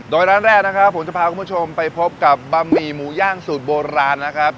โดยร้านแรกนะครับผมจะพาคุณผู้ชมไปพบกับบะหมี่หมูย่างสูตรโบราณนะครับ